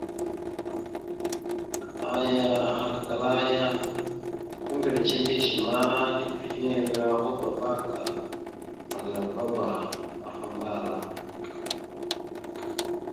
Aya ahalkala ya: « Membireca mbiyez ma, tepefiŋirava hoɗ ava ka mazləlavaba afa ambal a. ».